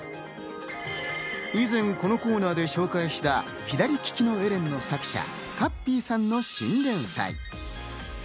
以前このコーナーで紹介した『左ききのエレン』の作者・かっぴーさんの新連載。